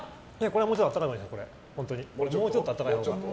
これ、もうちょっと温かいほうがいい。